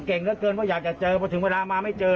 ก็เก่งเท่าเกินว่าอยากจะเจอถึงเวลามาไม่เจอเนี่ย